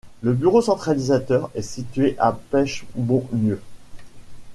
Le bureau centralisateur est situé à Pechbonnieu.